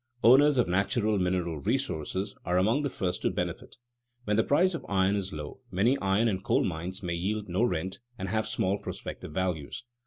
Owners of natural mineral resources are among the first to benefit. When the price of iron is low, many iron and coal mines may yield no rent and have small prospective values.